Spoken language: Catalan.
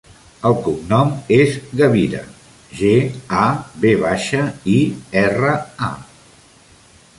El cognom és Gavira: ge, a, ve baixa, i, erra, a.